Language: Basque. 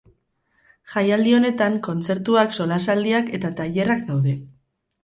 Jaialdi honetan, kontzertuak, solasaldiak eta tailerrak daude.